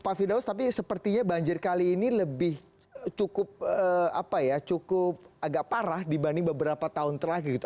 pak firdaus tapi sepertinya banjir kali ini lebih cukup apa ya cukup agak parah dibanding beberapa tahun terakhir gitu